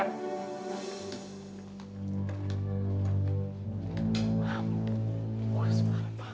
jangan sampai malu maluin mama oke